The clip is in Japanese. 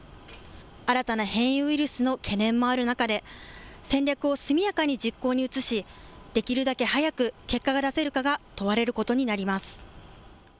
新たな変異ウイルスの懸念もある中で戦略を速やかに実行に移しできるだけ早く結果が出せるかが問われることになります。